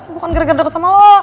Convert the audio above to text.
bukan gara gara deket sama lo